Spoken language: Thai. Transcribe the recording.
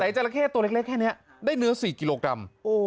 แต่ไอ้จราเขตตัวเล็กแค่เนี้ยได้เนื้อสี่กิโลกรัมโอ้ย